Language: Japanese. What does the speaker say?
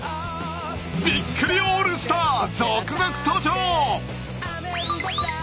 びっくりオールスターゾクゾク登場！